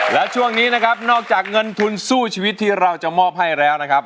และช่วงนี้นะครับนอกจากเงินทุนสู้ชีวิตที่เราจะมอบให้แล้วนะครับ